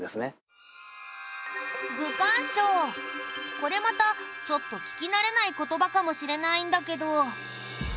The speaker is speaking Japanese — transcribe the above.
これまたちょっと聞き慣れない言葉かもしれないんだけど。